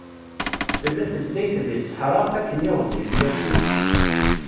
Tella tezdayt di sseḥra, akken‑nni γezzif yixef-is.